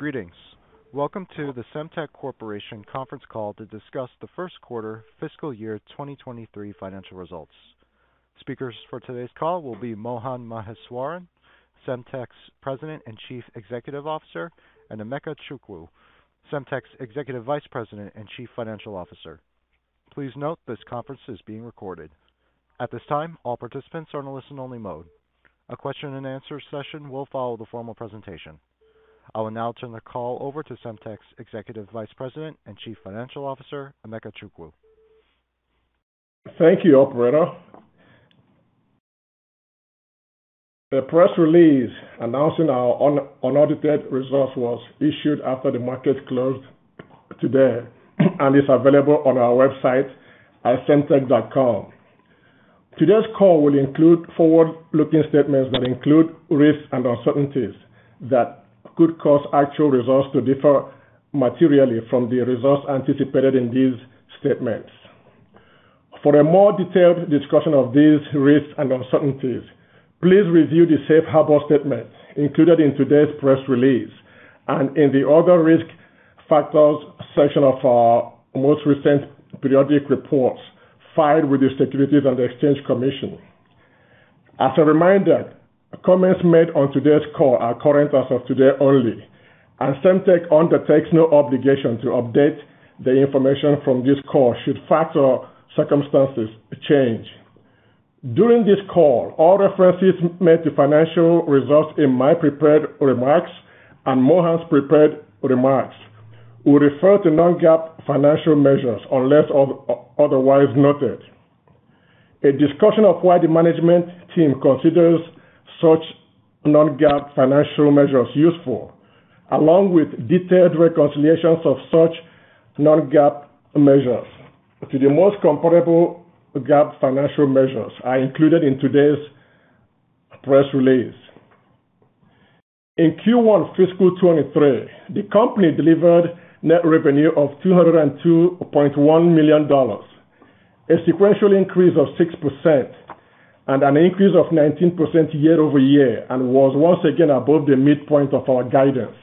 Greetings. Welcome to the Semtech Corporation Conference Call to discuss Q1 fiscal year 2023 financial results. Speakers for today's call will be Mohan Maheswaran, Semtech's President and Chief Executive Officer, and Emeka Chukwu, Semtech's Executive Vice President and Chief Financial Officer. Please note this conference is being recorded. At this time, all participants are on a listen-only mode. A question and answer session will follow the formal presentation. I will now turn the call over to Semtech's Executive Vice President and Chief Financial Officer, Emeka Chukwu. Thank you, operator. The press release announcing our unaudited results was issued after the market closed today and is available on our website at semtech.com. Today's call will include forward-looking statements that include risks and uncertainties that could cause actual results to differ materially from the results anticipated in these statements. For a more detailed discussion of these risks and uncertainties, please review the safe harbor statement included in today's press release and in the Other Risk Factors section of our most recent periodic reports filed with the Securities Exchange Commission. As a reminder, comments made on today's call are current as of today only, and Semtech undertakes no obligation to update the information from this call should facts or circumstances change. During this call, all references made to financial results in my prepared remarks and Mohan's prepared remarks will refer to non-GAAP financial measures unless otherwise noted. A discussion of why the management team considers such non-GAAP financial measures useful, along with detailed reconciliations of such non-GAAP measures to the most comparable GAAP financial measures are included in today's press release. In Q1 fiscal 2023, the company delivered net revenue of $202.1 million, a sequential increase of 6% and an increase of 19% year-over-year, and was once again above the midpoint of our guidance.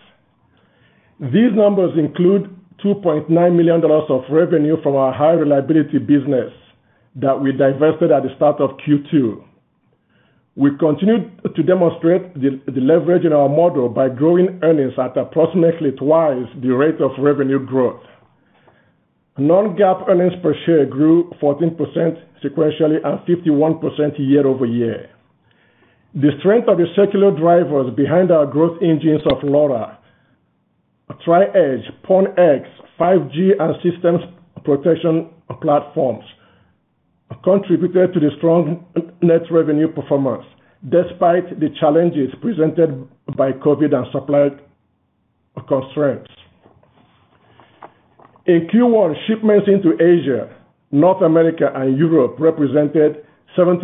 These numbers include $2.9 million of revenue from our high reliability business that we divested at the start of Q2. We continued to demonstrate the leverage in our model by growing earnings at approximately 2x the rate of revenue growth. Non-GAAP earnings per share grew 14% sequentially and 51% year-over-year. The strength of the secular drivers behind our growth engines of LoRa, Tri-Edge, PON X, 5G and systems protection platforms contributed to the strong net revenue performance despite the challenges presented by COVID and supply constraints. In Q1, shipments into Asia, North America, and Europe represented 76%,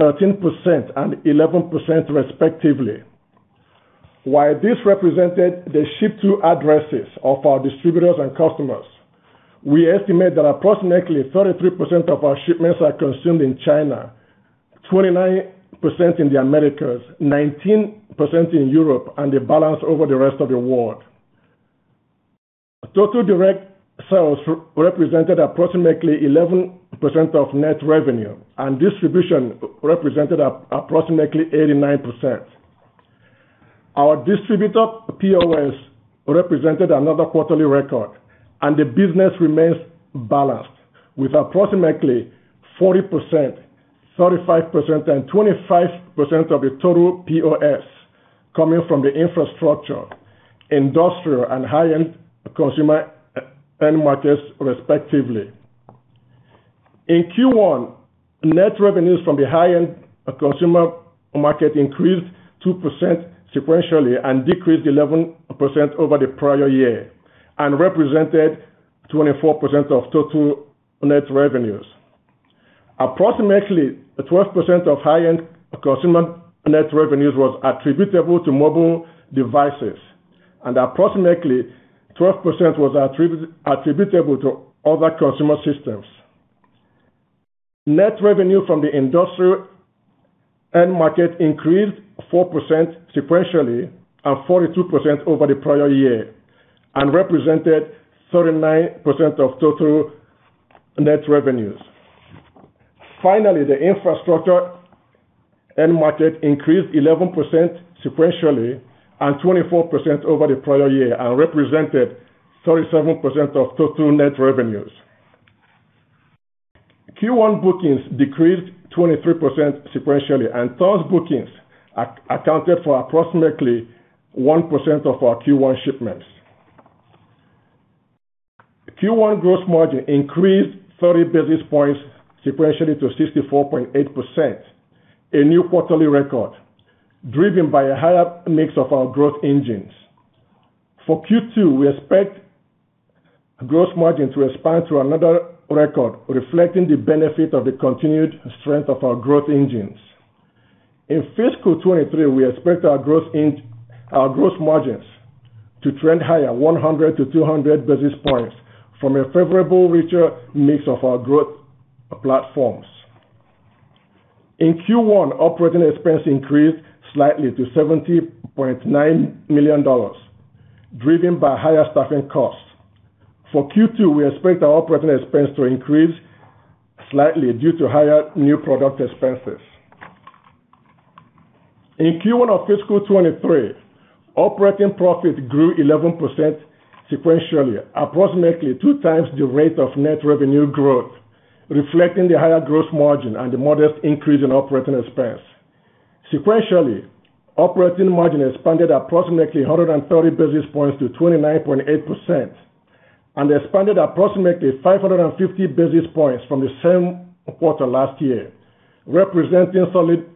13%, and 11% respectively. While this represented the ship to addresses of our distributors and customers, we estimate that approximately 33% of our shipments are consumed in China, 29% in the Americas, 19% in Europe, and the balance over the rest of the world. Total direct sales represented approximately 11% of net revenue, and distribution represented approximately 89%. Our distributor POS represented another quarterly record, and the business remains balanced. With approximately 40%, 35%, and 25% of the total POS coming from the infrastructure, industrial, and high-end consumer end markets respectively. In Q1, net revenues from the high-end consumer market increased 2% sequentially and decreased 11% over the prior year and represented 24% of total net revenues. Approximately 12% of high-end consumer net revenues was attributable to mobile devices and approximately 12% was attributable to other consumer systems. Net revenue from the industrial end market increased 4% sequentially and 42% over the prior year and represented 39% of total net revenues. Finally, the infrastructure end market increased 11% sequentially and 24% over the prior year and represented 37% of total net revenues. Q1 bookings decreased 23% sequentially, and turns bookings accounted for approximately 1% of our Q1 shipments. Q1 gross margin increased 30 basis points sequentially to 64.8%, a new quarterly record driven by a higher mix of our growth engines. For Q2, we expect gross margin to expand to another record reflecting the benefit of the continued strength of our growth engines. In fiscal 2023, we expect our gross margins to trend higher 100-200 basis points from a favorable richer mix of our growth platforms. In Q1, operating expense increased slightly to $70.9 million, driven by higher staffing costs. For Q2, we expect our operating expense to increase slightly due to higher new product expenses. In Q1 of fiscal 2023, operating profit grew 11% sequentially, approximately 2x the rate of net revenue growth, reflecting the higher gross margin and the modest increase in operating expense. Sequentially, operating margin expanded approximately 100 basis points to 29.8% and expanded approximately 550 basis points from the same quarter last year, representing solid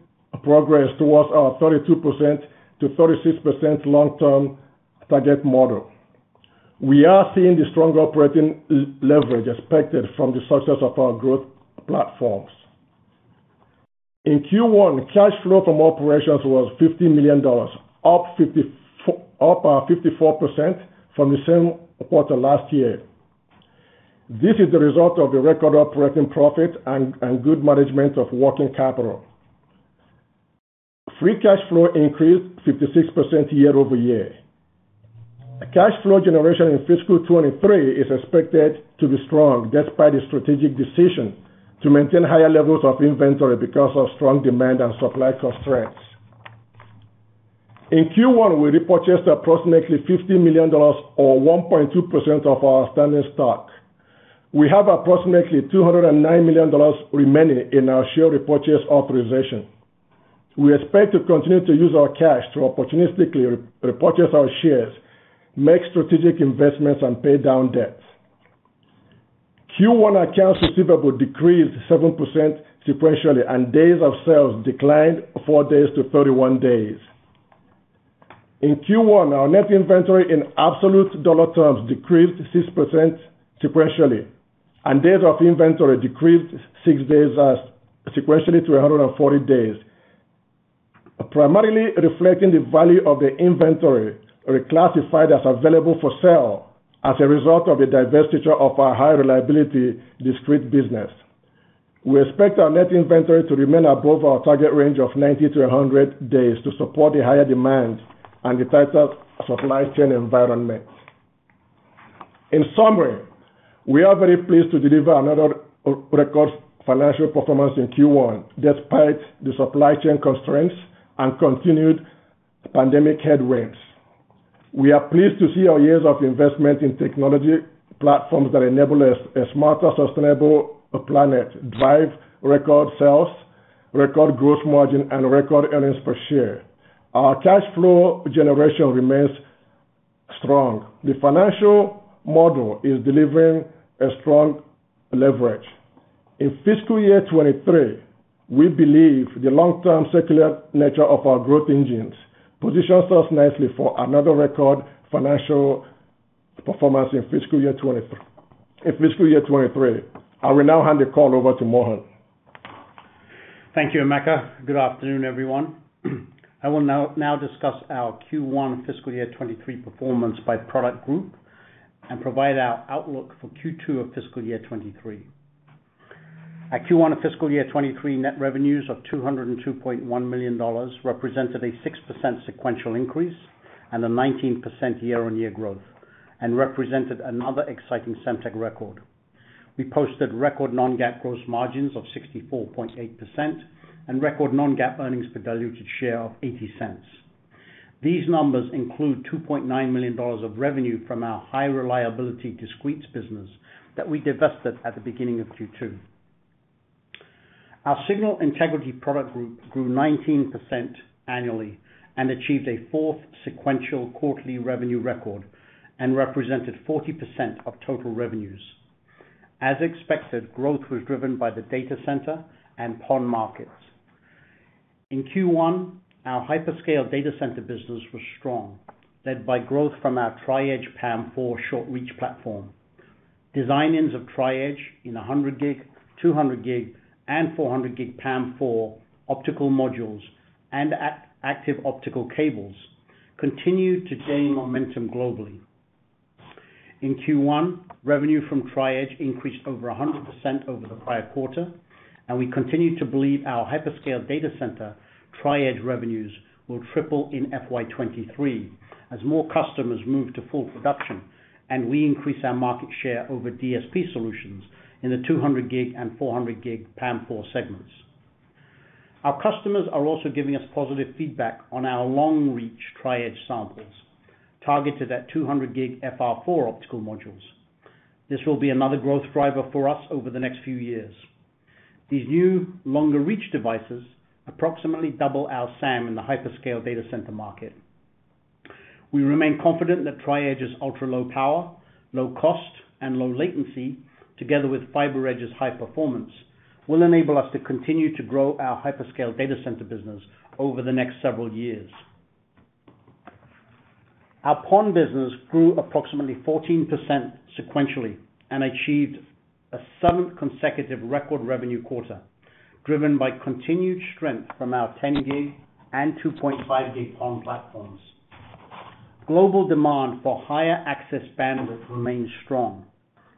progress towards our 32%-36% long-term target model. We are seeing the stronger operating leverage expected from the success of our growth platforms. In Q1, cash flow from operations was $50 million, up 54% from the same quarter last year. This is the result of the record operating profit and good management of working capital. Free cash flow increased 56% year-over-year. Cash flow generation in fiscal 2023 is expected to be strong despite a strategic decision to maintain higher levels of inventory because of strong demand and supply constraints. In Q1, we repurchased approximately $50 million or 1.2% of our outstanding stock. We have approximately $209 million remaining in our share repurchase authorization. We expect to continue to use our cash to opportunistically repurchase our shares, make strategic investments, and pay down debts. Q1 accounts receivable decreased 7% sequentially, and days of sales declined four days to 31 days. In Q1, our net inventory in absolute dollar terms decreased 6% sequentially, and days of inventory decreased six days sequentially to 140 days, primarily reflecting the value of the inventory reclassified as available for sale as a result of a divestiture of our high reliability discrete business. We expect our net inventory to remain above our target range of 90-100 days to support the higher demands and the tighter supply chain environment. In summary, we are very pleased to deliver another record financial performance in Q1 despite the supply chain constraints and continued pandemic headwinds. We are pleased to see our years of investment in technology platforms that enable a smarter, sustainable planet drive record sales, record gross margin, and record earnings per share. Our cash flow generation remains strong. The financial model is delivering a strong leverage. In fiscal year 2023, we believe the long-term secular nature of our growth engines positions us nicely for another record financial performance in fiscal year 2023. I will now hand the call over to Mohan. Thank you, Emeka. Good afternoon, everyone. I will now discuss our Q1 fiscal year 2023 performance by product group and provide our outlook for Q2 of fiscal year 2023. At Q1 of fiscal year 2023, net revenues of $202.1 million represented a 6% sequential increase and a 19% year-on-year growth, and represented another exciting Semtech record. We posted record non-GAAP gross margins of 64.8% and record non-GAAP earnings per diluted share of $0.80. These numbers include $2.9 million of revenue from our high reliability discrete business that we divested at the beginning of Q2. Our signal integrity product group grew 19% annually and achieved a fourth sequential quarterly revenue record and represented 40% of total revenues. As expected, growth was driven by the data center and PON markets. In Q1, our hyperscale data center business was strong, led by growth from our Tri-Edge PAM4 short reach platform. Design-ins of Tri-Edge in 100gig, 200gig, and 400gig PAM4 optical modules and active optical cables continued to gain momentum globally. In Q1, revenue from Tri-Edge increased over 100% over the prior quarter, and we continue to believe our hyperscale data center Tri-Edge revenues will triple in FY 2023 as more customers move to full production and we increase our market share over DSP solutions in the 200gig and 400gig PAM4 segments. Our customers are also giving us positive feedback on our long reach Tri-Edge samples targeted at 200gig FR4 optical modules. This will be another growth driver for us over the next few years. These new longer reach devices approximately double our SAM in the hyperscale data center market. We remain confident that Tri-Edge's ultra-low power, low cost, and low latency, together with FiberEdge's high performance, will enable us to continue to grow our hyperscale data center business over the next several years. Our PON business grew approximately 14% sequentially and achieved a seventh consecutive record revenue quarter, driven by continued strength from our 10 gig and 2.5 gig PON platforms. Global demand for higher access bandwidth remains strong,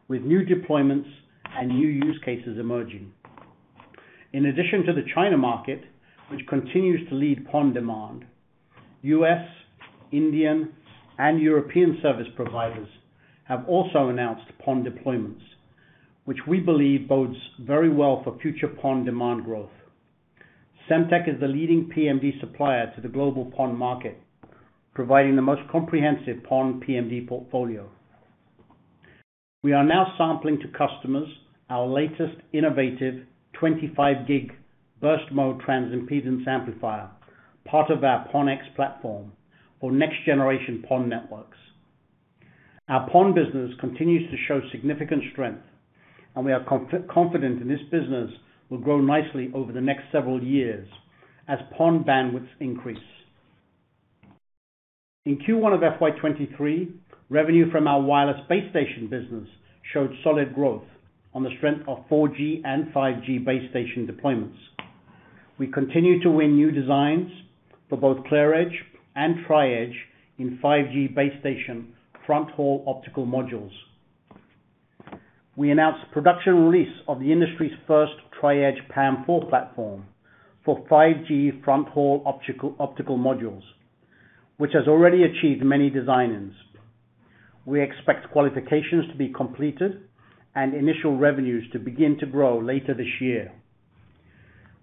with new deployments and new use cases emerging. In addition to the China market, which continues to lead PON demand, U.S., Indian, and European service providers have also announced PON deployments, which we believe bodes very well for future PON demand growth. Semtech is the leading PMD supplier to the global PON market, providing the most comprehensive PON PMD portfolio. We are now sampling to customers our latest innovative 25 gig burst mode transimpedance amplifier, part of our PON X platform for next-generation PON networks. Our PON business continues to show significant strength, and we are confident that this business will grow nicely over the next several years as PON bandwidths increase. In Q1 of FY 2023, revenue from our wireless base station business showed solid growth on the strength of 4G and 5G base station deployments. We continue to win new designs for both ClearEdge and Tri-Edge in 5G base station fronthaul optical modules. We announced production release of the industry's first Tri-Edge PAM4 platform for 5G fronthaul optical modules, which has already achieved many design-ins. We expect qualifications to be completed and initial revenues to begin to grow later this year.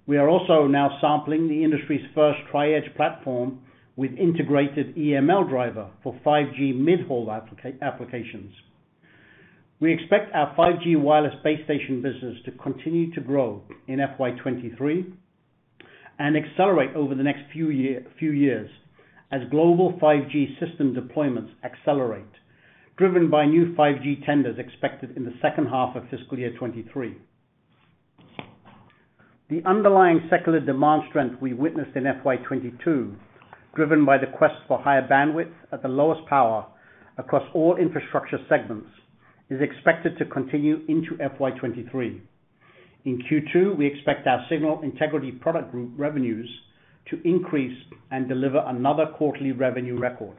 We are also now sampling the industry's first Tri-Edge platform with integrated EML driver for 5G mid-haul applications. We expect our 5G wireless base station business to continue to grow in FY 2023, and accelerate over the next few years as global 5G system deployments accelerate, driven by new 5G tenders expected in the second half of fiscal year 2023. The underlying secular demand strength we witnessed in FY 2022, driven by the quest for higher bandwidth at the lowest power across all infrastructure segments, is expected to continue into FY 2023. In Q2, we expect our signal integrity product group revenues to increase and deliver another quarterly revenue record.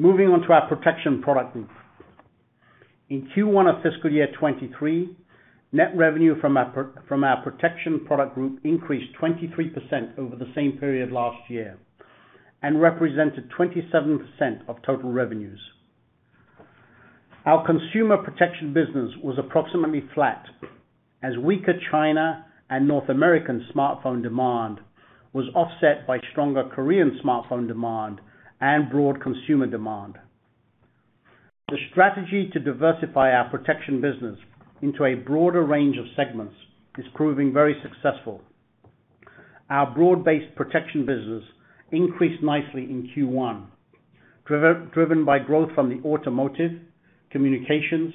Moving on to our protection product group. In Q1 of fiscal year 2023, net revenue from our from our protection product group increased 23% over the same period last year and represented 27% of total revenues. Our consumer protection business was approximately flat as weaker China and North American smartphone demand was offset by stronger Korean smartphone demand and broad consumer demand. The strategy to diversify our protection business into a broader range of segments is proving very successful. Our broad-based protection business increased nicely in Q1, driven by growth from the automotive, communications,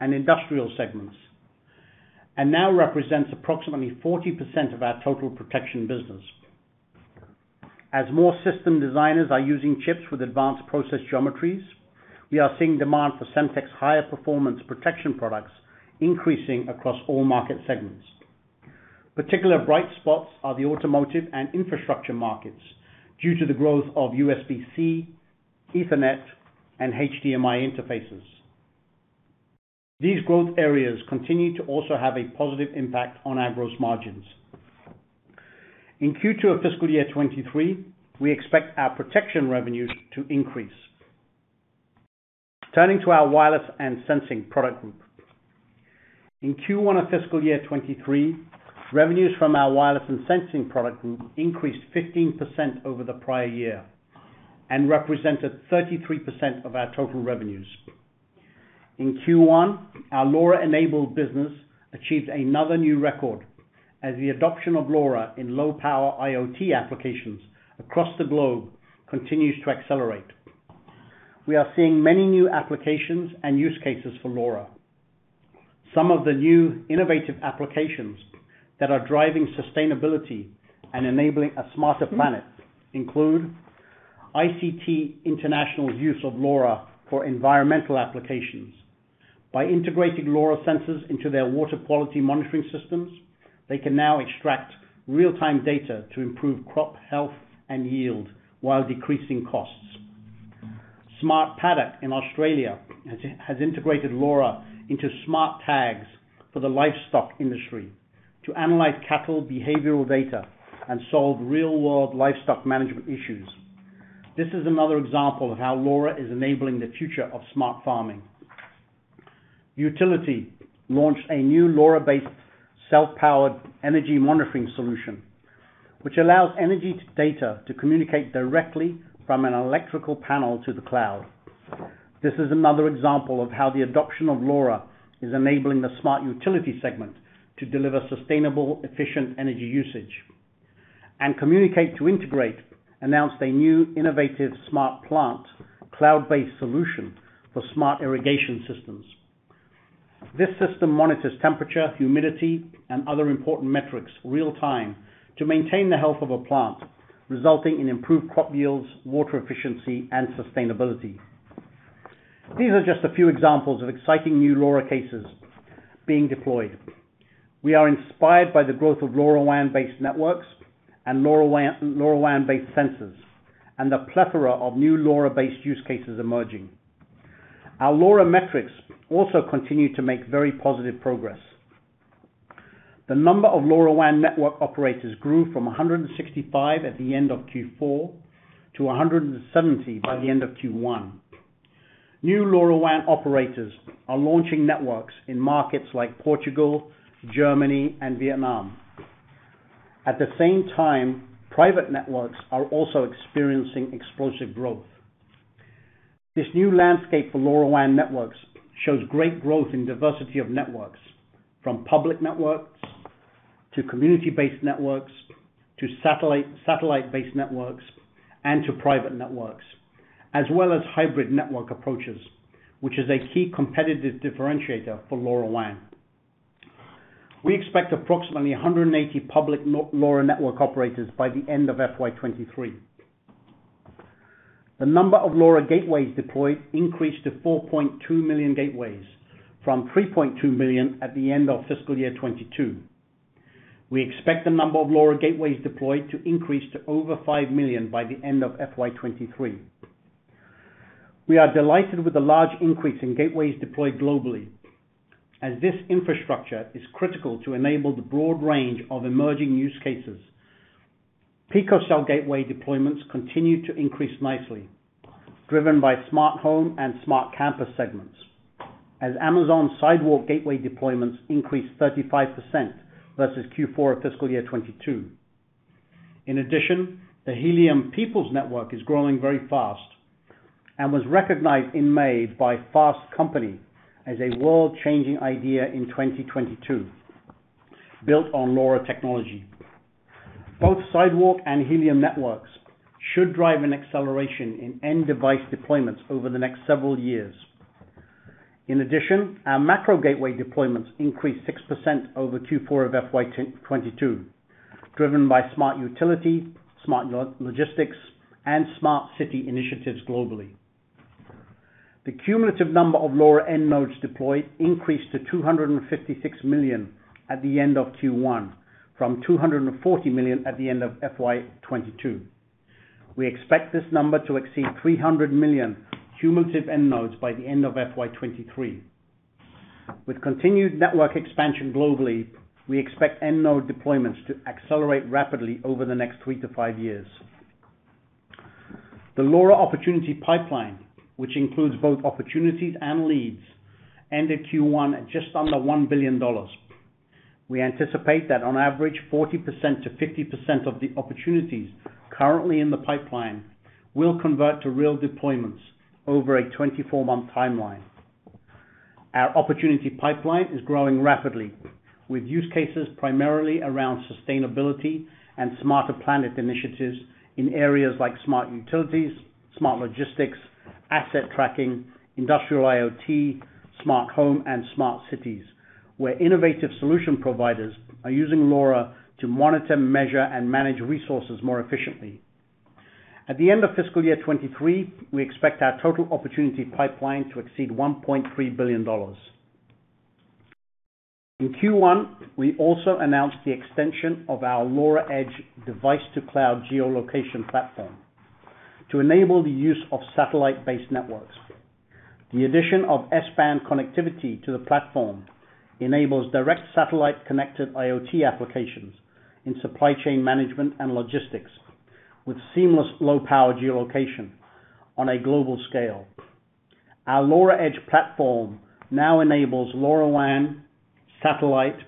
and industrial segments, and now represents approximately 40% of our total protection business. As more system designers are using chips with advanced process geometries, we are seeing demand for Semtech's higher performance protection products increasing across all market segments. Particular bright spots are the automotive and infrastructure markets due to the growth of USB-C, Ethernet, and HDMI interfaces. These growth areas continue to also have a positive impact on our gross margins. In Q2 of fiscal year 2023, we expect our protection revenues to increase. Turning to our wireless and sensing product group. In Q1 of fiscal year 2023, revenues from our wireless and sensing product group increased 15% over the prior year and represented 33% of our total revenues. In Q1, our LoRa-enabled business achieved another new record as the adoption of LoRa in low-power IoT applications across the globe continues to accelerate. We are seeing many new applications and use cases for LoRa. Some of the new innovative applications that are driving sustainability and enabling a smarter planet include ICT International's use of LoRa for environmental applications. By integrating LoRa sensors into their water quality monitoring systems, they can now extract real-time data to improve crop health and yield while decreasing costs. Smart Paddock in Australia has integrated LoRa into smart tags for the livestock industry to analyze cattle behavioral data and solve real-world livestock management issues. This is another example of how LoRa is enabling the future of smart farming. Vutility launched a new LoRa-based self-powered energy monitoring solution, which allows energy data to communicate directly from an electrical panel to the cloud. This is another example of how the adoption of LoRa is enabling the smart utility segment to deliver sustainable, efficient energy usage. Communicate2Integrate announced a new innovative smart plant cloud-based solution for smart irrigation systems. This system monitors temperature, humidity, and other important metrics real-time to maintain the health of a plant, resulting in improved crop yields, water efficiency, and sustainability. These are just a few examples of exciting new LoRa cases being deployed. We are inspired by the growth of LoRaWAN-based networks and LoRaWAN-based sensors, and the plethora of new LoRa-based use cases emerging. Our LoRa metrics also continue to make very positive progress. The number of LoRaWAN network operators grew from 165 at the end of Q4 to 170 by the end of Q1. New LoRaWAN operators are launching networks in markets like Portugal, Germany, and Vietnam. At the same time, private networks are also experiencing explosive growth. This new landscape for LoRaWAN networks shows great growth in diversity of networks, from public networks to community-based networks, to satellite-based networks and to private networks, as well as hybrid network approaches, which is a key competitive differentiator for LoRaWAN. We expect approximately 180 public LoRa network operators by the end of FY 2023. The number of LoRa gateways deployed increased to 4.2 million gateways from 3.2 million at the end of fiscal year 2022. We expect the number of LoRa gateways deployed to increase to over five million by the end of FY 2023. We are delighted with the large increase in gateways deployed globally as this infrastructure is critical to enable the broad range of emerging use cases. Picocell gateway deployments continue to increase nicely, driven by smart home and smart campus segments, as Amazon Sidewalk gateway deployments increased 35% versus Q4 of fiscal year 2022. In addition, the Helium People's Network is growing very fast and was recognized in May by Fast Company as a world-changing idea in 2022, built on LoRa technology. Both Sidewalk and Helium networks should drive an acceleration in end device deployments over the next several years. In addition, our macro gateway deployments increased 6% over Q4 of FY 2022, driven by smart utility, smart logistics, and smart city initiatives globally. The cumulative number of LoRa end nodes deployed increased to 256 million at the end of Q1 from 240 million at the end of FY 2022. We expect this number to exceed 300 million cumulative end nodes by the end of FY 2023. With continued network expansion globally, we expect end node deployments to accelerate rapidly over the next three to five years. The LoRa opportunity pipeline, which includes both opportunities and leads, ended Q1 at just under $1 billion. We anticipate that on average, 40%-50% of the opportunities currently in the pipeline will convert to real deployments over a 24-months timeline. Our opportunity pipeline is growing rapidly with use cases primarily around sustainability and smarter planet initiatives in areas like smart utilities, smart logistics, asset tracking, industrial IoT, smart home, and smart cities, where innovative solution providers are using LoRa to monitor, measure, and manage resources more efficiently. At the end of fiscal year 2023, we expect our total opportunity pipeline to exceed $1.3 billion. In Q1, we also announced the extension of our LoRa Edge device-to-cloud geolocation platform to enable the use of satellite-based networks. The addition of S-band connectivity to the platform enables direct satellite-connected IoT applications in supply chain management and logistics with seamless low-power geolocation on a global scale. Our LoRa Edge platform now enables LoRaWAN, satellite,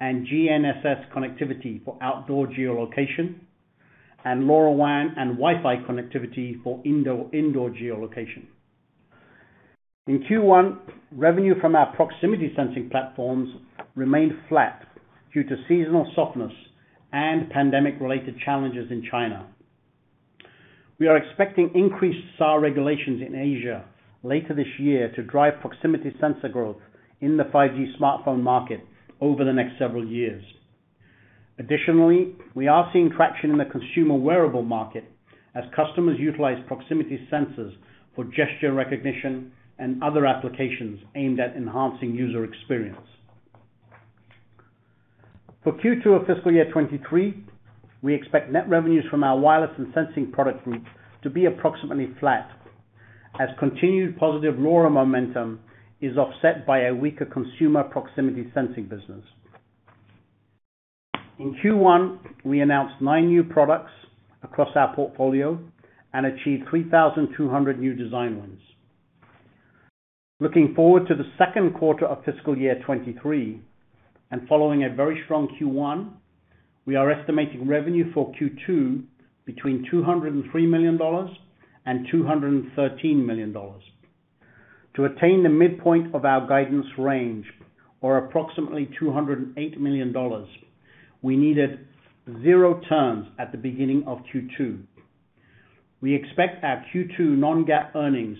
and GNSS connectivity for outdoor geolocation, and LoRaWAN and Wi-Fi connectivity for indoor geolocation. In Q1, revenue from our proximity sensing platforms remained flat due to seasonal softness and pandemic-related challenges in China. We are expecting increased SAR regulations in Asia later this year to drive proximity sensor growth in the 5G smartphone market over the next several years. Additionally, we are seeing traction in the consumer wearable market as customers utilize proximity sensors for gesture recognition and other applications aimed at enhancing user experience. For Q2 of fiscal year 2023, we expect net revenues from our wireless and sensing product group to be approximately flat as continued positive LoRa momentum is offset by a weaker consumer proximity sensing business. In Q1, we announced nine new products across our portfolio and achieved 3,200 new design wins. Looking forward to Q2 of fiscal year 2023 and following a very strong Q1, we are estimating revenue for Q2 between $203 and 213 million. To attain the midpoint of our guidance range, or approximately $208 million, we needed zero turns at the beginning of Q2. We expect our Q2 non-GAAP earnings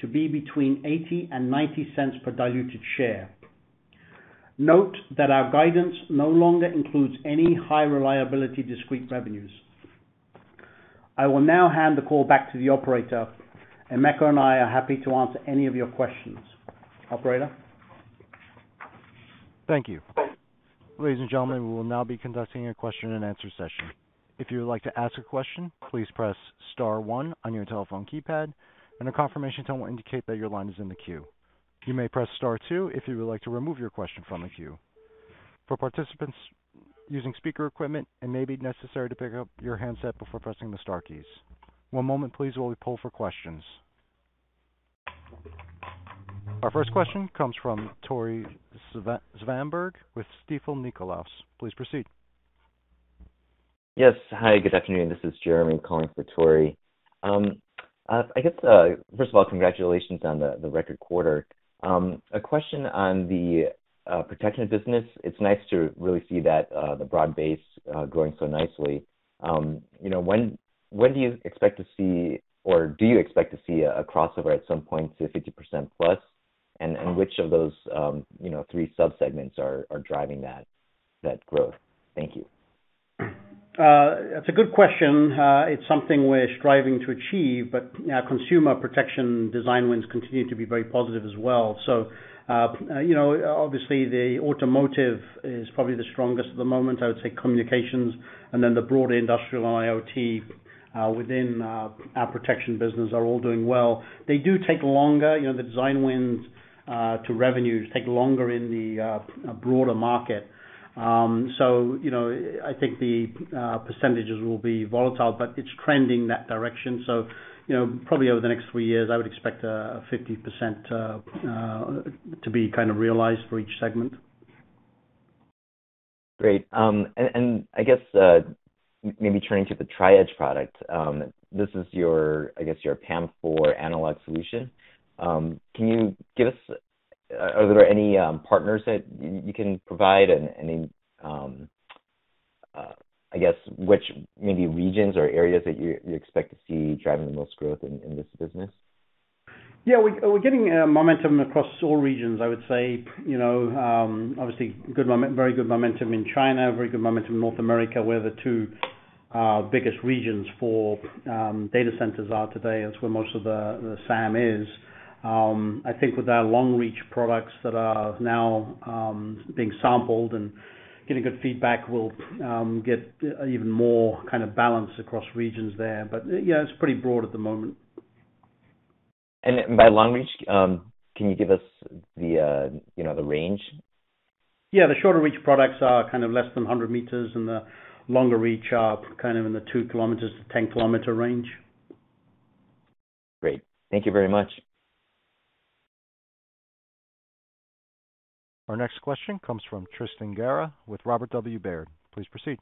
to be between $0.80 and 0.90 per diluted share. Note that our guidance no longer includes any high reliability discrete revenues. I will now hand the call back to the operator, and Emeka and I are happy to answer any of your questions. Operator? Thank you. Ladies and gentlemen, we will now be conducting a question and answer session. If you would like to ask a question, please press star one on your telephone keypad, and a confirmation tone will indicate that your line is in the queue. You may press star two if you would like to remove your question from the queue. For participants using speaker equipment, it may be necessary to pick up your handset before pressing the star keys. One moment please while we poll for questions. Our first question comes from Tore Svanberg with Stifel Nicolaus. Please proceed. Yes. Hi, good afternoon. This is Jeremy calling for Tore. I guess first of all, congratulations on the record quarter. A question on the protection business. It's nice to really see that the broad base growing so nicely. You know, when do you expect to see, or do you expect to see a crossover at some point to 50%+? And which of those three sub-segments are driving that growth? Thank you. That's a good question. It's something we're striving to achieve, but our consumer protection design wins continue to be very positive as well. You know, obviously the automotive is probably the strongest at the moment. I would say communications and then the broad industrial IoT within our protection business are all doing well. They do take longer. You know, the design wins to revenues take longer in the broader market. You know, I think the percentages will be volatile, but it's trending that direction. You know, probably over the next three years, I would expect a 50% to be kind of realized for each segment. Great. I guess maybe turning to the Tri-Edge product, this is your, I guess, your PAM4 analog solution. Are there any partners that you can provide and any, I guess, which maybe regions or areas that you expect to see driving the most growth in this business? Yeah. We're getting momentum across all regions, I would say. You know, obviously very good momentum in China, very good momentum in North America, where the two biggest regions for data centers are today. That's where most of the SAM is. I think with our long reach products that are now being sampled and getting good feedback, we'll get even more kind of balance across regions there. Yeah, it's pretty broad at the moment. By LoRa, can you give us the, you know, the range? Yeah. The shorter reach products are kind of less than 100m, and the longer reach are kind of in the 2-10km range. Great. Thank you very much. Our next question comes from Tristan Gerra with Robert W. Baird. Please proceed.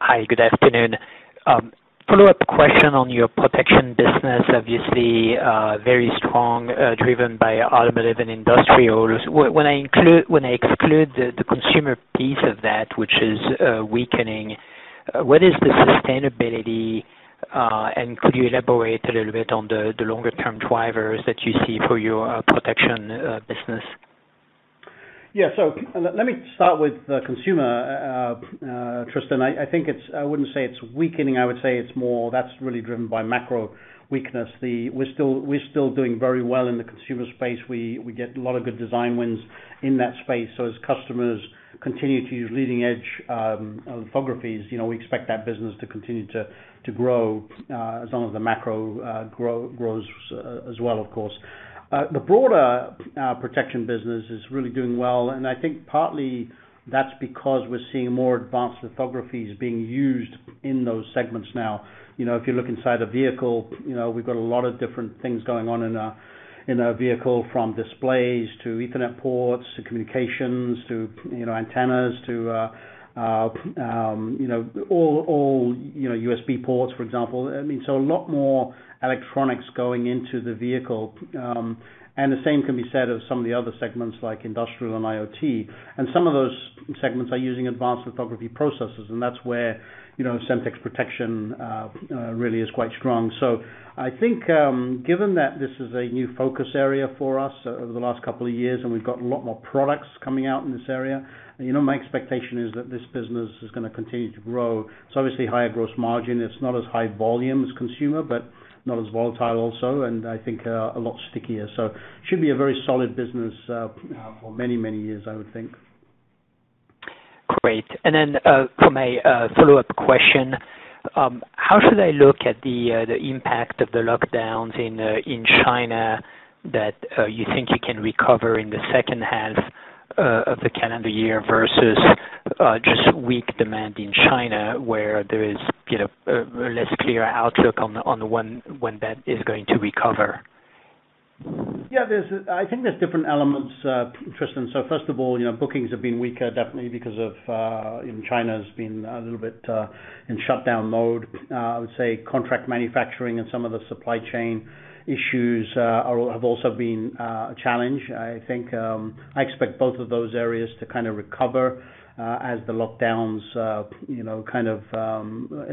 Hi. Good afternoon. Follow-up question on your protection business, obviously, very strong, driven by automotive and industrials. When I exclude the consumer piece of that, which is weakening, what is the sustainability, and could you elaborate a little bit on the longer term drivers that you see for your protection business? Yeah. Let me start with the consumer, Tristan. I think. I wouldn't say it's weakening. I would say it's more that's really driven by macro weakness. We're still doing very well in the consumer space. We get a lot of good design wins in that space. As customers continue to use leading edge lithographies, you know, we expect that business to continue to grow as long as the macro grows as well, of course. The broader protection business is really doing well, and I think partly that's because we're seeing more advanced lithographies being used in those segments now. You know, if you look inside a vehicle, you know, we've got a lot of different things going on in a vehicle from displays to Ethernet ports, to communications, to, you know, antennas, to, you know, all USB ports, for example. I mean, a lot more electronics going into the vehicle. The same can be said of some of the other segments like industrial and IoT. Some of those segments are using advanced lithography processes, and that's where, you know, Semtech's protection really is quite strong. I think, given that this is a new focus area for us over the last couple of years, and we've got a lot more products coming out in this area, you know, my expectation is that this business is gonna continue to grow. It's obviously higher gross margin. It's not as high volume as consumer, but not as volatile also, and I think, a lot stickier. Should be a very solid business, for many, many years, I would think. Great. For my follow-up question, how should I look at the impact of the lockdowns in China that you think you can recover in the second half of the calendar year versus just weak demand in China, where there is, you know, a less clear outlook on when that is going to recover? Yeah, I think there's different elements, Tristan. First of all, you know, bookings have been weaker definitely because of, and China's been a little bit in shutdown mode. I would say contract manufacturing and some of the supply chain issues have also been a challenge. I think I expect both of those areas to kinda recover as the lockdowns you know kind of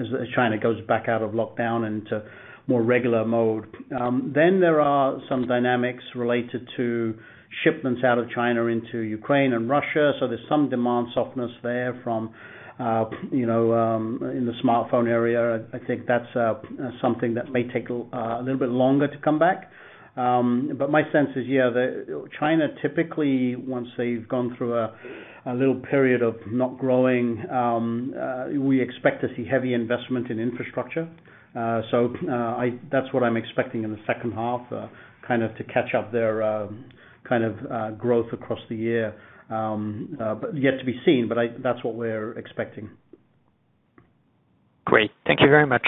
as China goes back out of lockdown into more regular mode. Then there are some dynamics related to shipments out of China into Ukraine and Russia. There's some demand softness there from you know in the smartphone area. I think that's something that may take a little bit longer to come back. My sense is, yeah, China typically, once they've gone through a little period of not growing, we expect to see heavy investment in infrastructure. So, that's what I'm expecting in the second half, kind of to catch up their kind of growth across the year. Yet to be seen, but that's what we're expecting. Great. Thank you very much.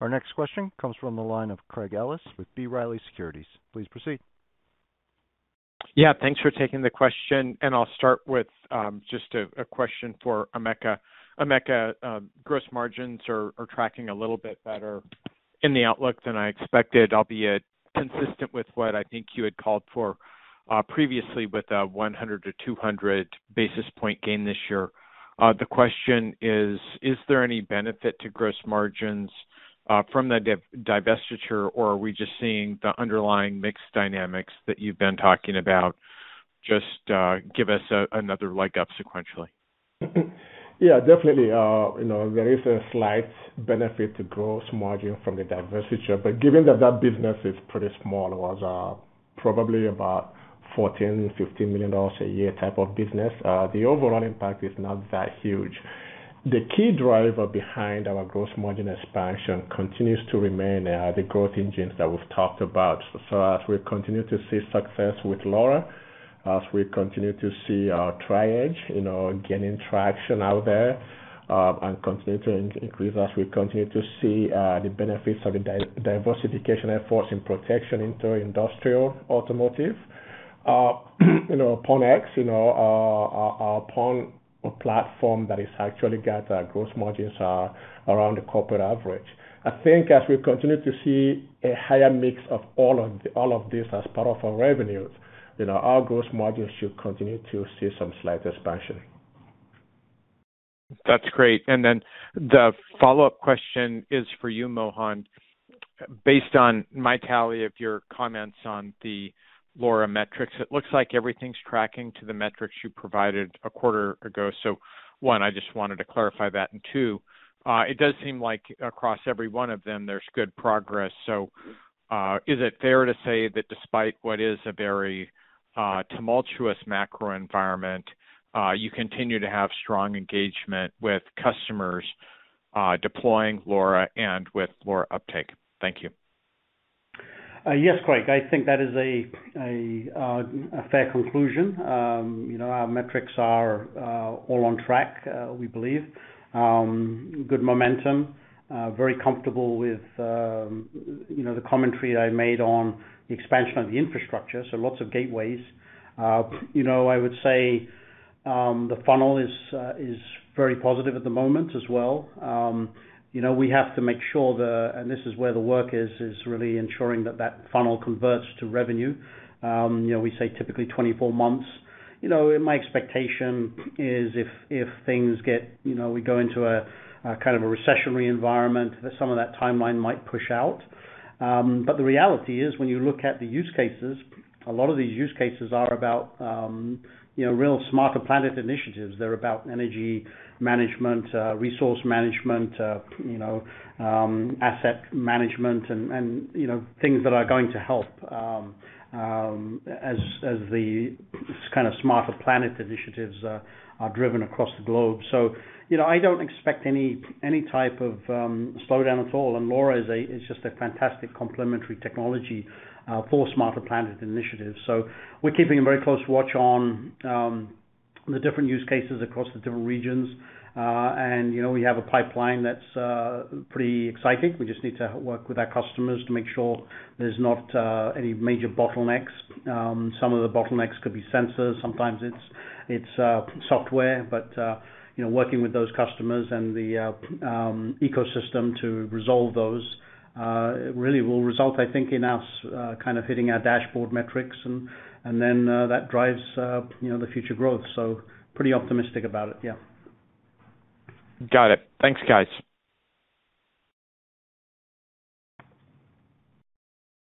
Our next question comes from the line of Craig Ellis with B. Riley Securities. Please proceed. Yeah, thanks for taking the question. I'll start with just a question for Emeka. Emeka, gross margins are tracking a little bit better in the outlook than I expected, albeit consistent with what I think you had called for previously with a 100-200 basis point gain this year. The question is: Is there any benefit to gross margins from the divestiture, or are we just seeing the underlying mix dynamics that you've been talking about just give us another leg up sequentially? Yeah, definitely. You know, there is a slight benefit to gross margin from the divestiture, but given that that business is pretty small, it was probably about $14-15 million a year type of business. The overall impact is not that huge. The key driver behind our gross margin expansion continues to remain the growth engines that we've talked about. As we continue to see success with LoRa, as we continue to see our Tri-Edge you know, gaining traction out there, and continue to increase as we continue to see the benefits of the diversification efforts in protection into industrial automotive. You know, PON X, you know, our PON platform that actually has gross margins around the corporate average. I think as we continue to see a higher mix of all of this as part of our revenues, you know, our gross margins should continue to see some slight expansion. That's great. Then the follow-up question is for you, Mohan. Based on my tally of your comments on the LoRa metrics, it looks like everything's tracking to the metrics you provided a quarter ago. One, I just wanted to clarify that. Two, it does seem like across every one of them, there's good progress. Is it fair to say that despite what is a very tumultuous macro environment, you continue to have strong engagement with customers deploying LoRa and with LoRa uptake? Thank you. Yes, Craig. I think that is a fair conclusion. You know, our metrics are all on track, we believe. Good momentum, very comfortable with, you know, the commentary I made on the expansion of the infrastructure, so lots of gateways. You know, I would say, the funnel is very positive at the moment as well. You know, we have to make sure and this is where the work is, really ensuring that that funnel converts to revenue. You know, we say typically 24 months. You know, my expectation is if things get, you know, we go into a kind of a recessionary environment, that some of that timeline might push out. The reality is when you look at the use cases, a lot of these use cases are about, you know, real smarter planet initiatives. They're about energy management, resource management, you know, asset management and things that are going to help, as the kinda smarter planet initiatives are driven across the globe. I don't expect any type of slowdown at all. LoRa is just a fantastic complementary technology for smarter planet initiatives. We're keeping a very close watch on the different use cases across the different regions. We have a pipeline that's pretty exciting. We just need to work with our customers to make sure there's not any major bottlenecks. Some of the bottlenecks could be sensors. Sometimes it's software, but you know, working with those customers and the ecosystem to resolve those really will result, I think, in us kind of hitting our dashboard metrics and then that drives you know, the future growth. Pretty optimistic about it. Yeah. Got it. Thanks, guys.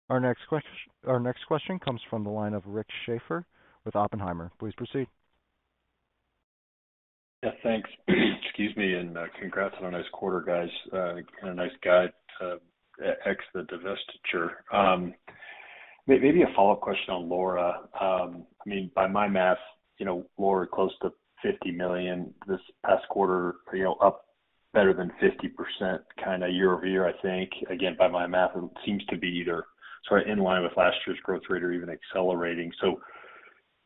Our next question comes from the line of Rick Schafer with Oppenheimer. Please proceed. Yeah, thanks. Excuse me, and congrats on a nice quarter, guys, and a nice guide ex the divestiture. Maybe a follow-up question on LoRa. I mean, by my math, you know, LoRa close to $50 million this past quarter, you know, up better than 50% kind of year-over-year, I think. Again, by my math, it seems to be either sort of in line with last year's growth rate or even accelerating.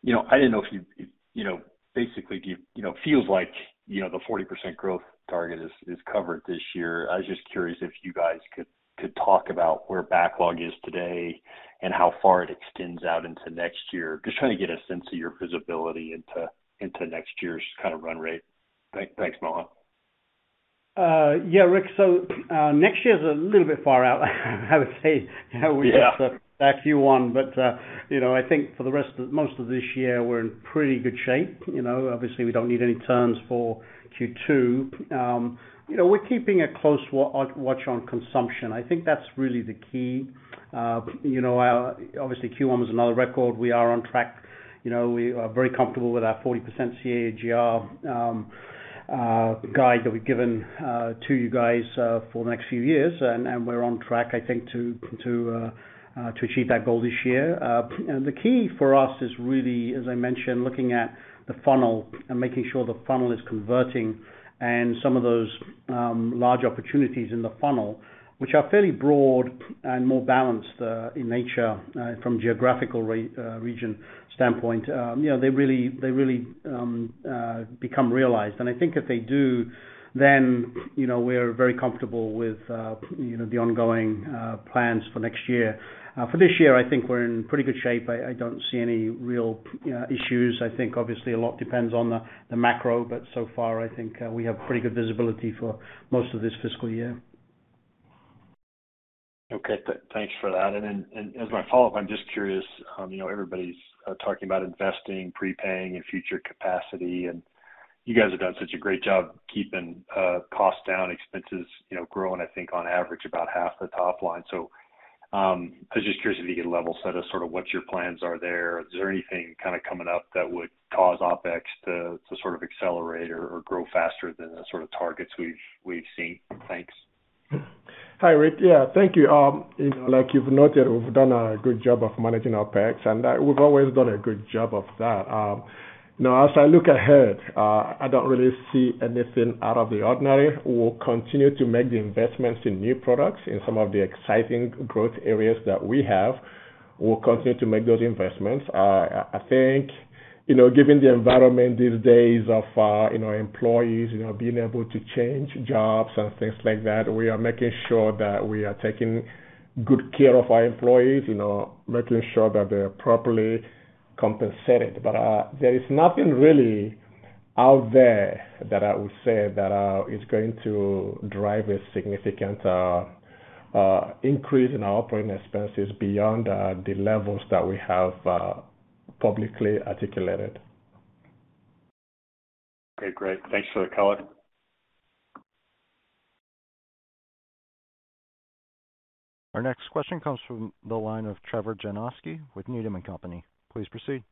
You know, I didn't know if you know basically give, you know, feels like, you know, the 40% growth target is covered this year. I was just curious if you guys could talk about where backlog is today and how far it extends out into next year. Just trying to get a sense of your visibility into next year's kind of run rate. Thanks, Mohan. Yeah, Rick. Next year is a little bit far out, I would say, you know, we just Q1. You know, I think for most of this year, we're in pretty good shape. You know, obviously, we don't need any turns for Q2. You know, we're keeping a close watch on consumption. I think that's really the key. You know, obviously Q1 was another record. We are on track. You know, we are very comfortable with our 40% CAGR guide that we've given to you guys for the next few years. We're on track, I think, to achieve that goal this year. The key for us is really, as I mentioned, looking at the funnel and making sure the funnel is converting. Some of those large opportunities in the funnel, which are fairly broad and more balanced in nature from geographical region standpoint, you know, they really become realized. I think if they do, then, you know, we're very comfortable with you know, the ongoing plans for next year. For this year, I think we're in pretty good shape. I don't see any real issues. I think obviously a lot depends on the macro, but so far I think we have pretty good visibility for most of this fiscal year. Okay. Thanks for that. As my follow-up, I'm just curious, you know, everybody's talking about investing, prepaying, and future capacity, and you guys have done such a great job keeping costs down, expenses, you know, growing, I think on average about half the top line. I'm just curious if you could level set us sort of what your plans are there. Is there anything kind of coming up that would cause OpEx to accelerate or grow faster than the sort of targets we've seen? Thanks. Hi, Rick. Yeah. Thank you. You know, like you've noted, we've done a good job of managing OpEx, and we've always done a good job of that. Now as I look ahead, I don't really see anything out of the ordinary. We'll continue to make the investments in new products in some of the exciting growth areas that we have. We'll continue to make those investments. I think, you know, given the environment these days of, you know, employees, you know, being able to change jobs and things like that, we are making sure that we are taking good care of our employees, you know, making sure that they're properly compensated. There is nothing really out there that I would say that is going to drive a significant increase in our operating expenses beyond the levels that we have publicly articulated. Okay, great. Thanks for the color. Our next question comes from the line of Trevor Janoskie with Needham & Company. Please proceed.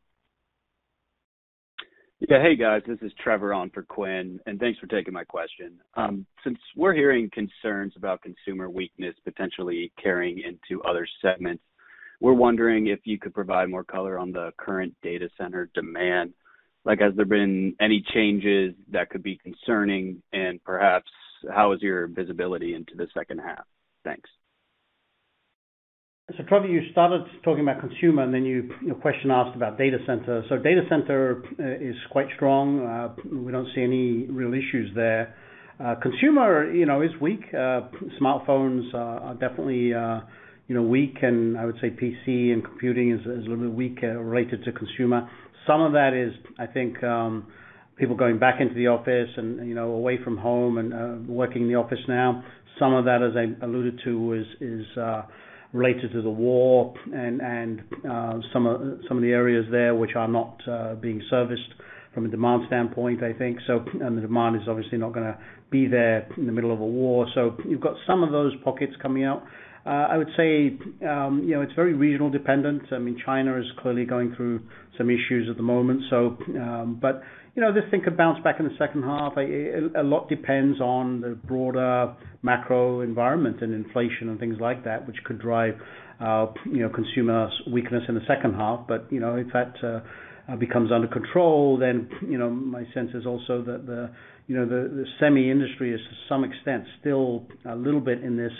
Yeah. Hey, guys, this is Trevor on for Quinn, and thanks for taking my question. Since we're hearing concerns about consumer weakness potentially carrying into other segments, we're wondering if you could provide more color on the current data center demand. Like, has there been any changes that could be concerning? Perhaps how is your visibility into the second half? Thanks. Trevor, you started talking about consumer, and then your question asked about data center. Data center is quite strong. We don't see any real issues there. Consumer, you know, is weak. Smartphones are definitely, you know, weak. I would say PC and computing is a little bit weaker related to consumer. Some of that is, I think, people going back into the office and, you know, away from home and working in the office now. Some of that, as I alluded to, is related to the war and some of the areas there which are not being serviced from a demand standpoint, I think. The demand is obviously not gonna be there in the middle of a war. You've got some of those pockets coming out. I would say, you know, it's very region dependent. I mean, China is clearly going through some issues at the moment. You know, this thing could bounce back in the second half. A lot depends on the broader macro environment and inflation and things like that, which could drive, you know, consumer weakness in the second half. You know, if that becomes under control, you know, my sense is also that you know, the semi industry is to some extent still a little bit in this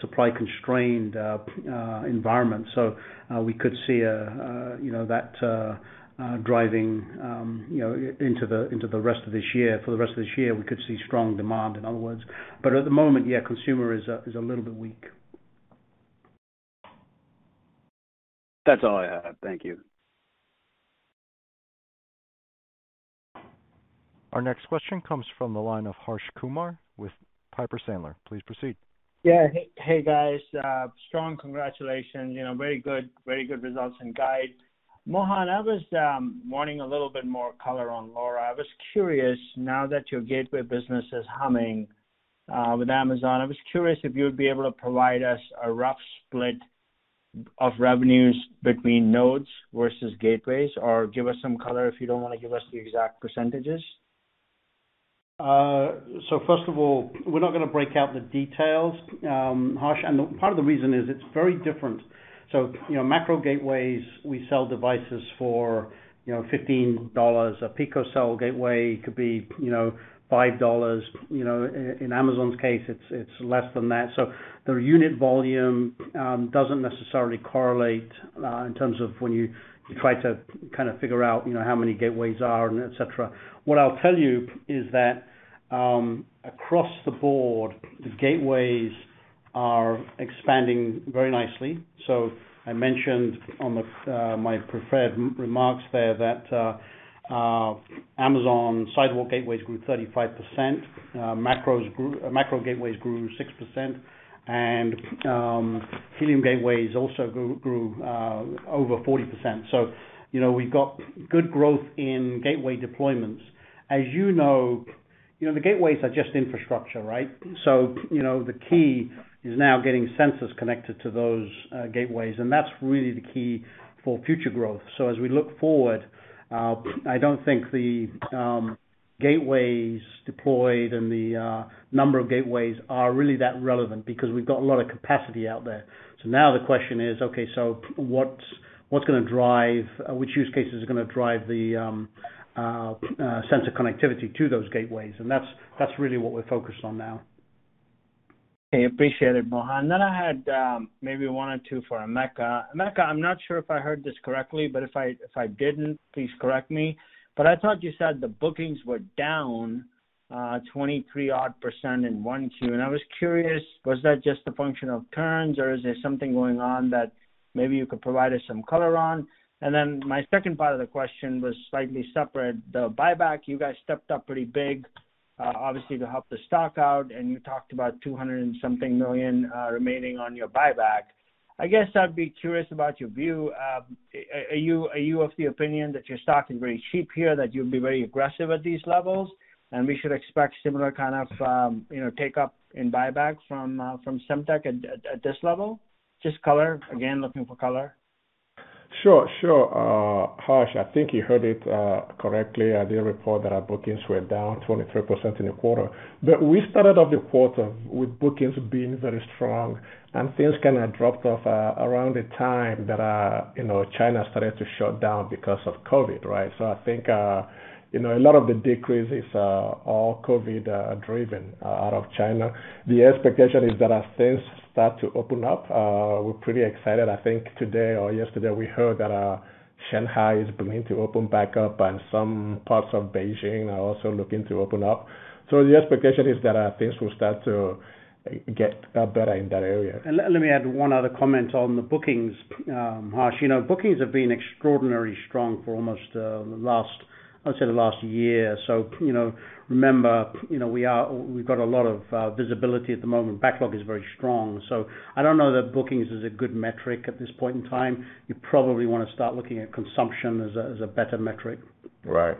supply constrained environment. We could see you know, that driving into the rest of this year. For the rest of this year, we could see strong demand, in other words. At the moment, yeah, consumer is a little bit weak. That's all I had. Thank you. Our next question comes from the line of Harsh Kumar with Piper Sandler. Please proceed. Yeah. Hey, guys. Strong congratulations. You know, very good results and guide. Mohan, I was wanting a little bit more color on LoRa. I was curious, now that your gateway business is humming with Amazon. I was curious if you would be able to provide us a rough split of revenues between nodes versus gateways, or give us some color if you don't wanna give us the exact percentages. First of all, we're not gonna break out the details, Harsh. Part of the reason is it's very different. You know, macro gateways, we sell devices for, you know, $15. A picocell gateway could be, you know, $5. You know, in Amazon's case, it's less than that. The unit volume doesn't necessarily correlate in terms of when you try to kind of figure out, you know, how many gateways are and et cetera. What I'll tell you is that across the board, the gateways are expanding very nicely. I mentioned in my prepared remarks there that Amazon Sidewalk gateways grew 35%, macro gateways grew 6%, and Helium gateways also grew over 40%. You know, we've got good growth in gateway deployments. As you know, the gateways are just infrastructure, right? You know, the key is now getting sensors connected to those gateways, and that's really the key for future growth. As we look forward, I don't think the gateways deployed and the number of gateways are really that relevant because we've got a lot of capacity out there. Now the question is, okay, what's gonna drive which use cases are gonna drive the sensor connectivity to those gateways? That's really what we're focused on now. Okay. Appreciate it, Mohan. I had maybe one or two for Emeka. Emeka, I'm not sure if I heard this correctly, but if I didn't, please correct me, but I thought you said the bookings were down 23 odd% in Q1. I was curious, was that just a function of turns or is there something going on that maybe you could provide us some color on? My second part of the question was slightly separate. The buyback, you guys stepped up pretty big, obviously to help the stock out, and you talked about $200-something million remaining on your buyback. I guess I'd be curious about your view. Are you of the opinion that your stock is very cheap here, that you'll be very aggressive at these levels, and we should expect similar kind of, you know, take up in buyback from Semtech at this level? Just color. Again, looking for color. Sure, sure. Harsh, I think you heard it correctly. I did report that our bookings were down 23% in the quarter. We started off the quarter with bookings being very strong and things kinda dropped off around the time that, you know, China started to shut down because of COVID, right? I think, you know, a lot of the decrease is all COVID-driven out of China. The expectation is that as things start to open up, we're pretty excited. I think today or yesterday we heard that Shanghai is going to open back up and some parts of Beijing are also looking to open up. The expectation is that things will start to get better in that area. Let me add one other comment on the bookings, Harsh. You know, bookings have been extraordinarily strong for almost the last, I would say, the last year. You know, remember, you know, we've got a lot of visibility at the moment. Backlog is very strong. I don't know that bookings is a good metric at this point in time. You probably wanna start looking at consumption as a better metric. Right.